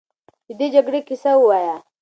د دې جګړې کیسه ووایه.